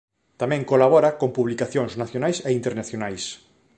Tamén colabora con publicacións nacionais e internacionais.